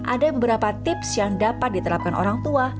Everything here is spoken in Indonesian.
ada beberapa tips yang dapat diterapkan orang tua